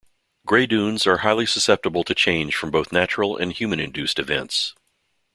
Grey dunes are highly susceptible to change from both natural and human-induced events.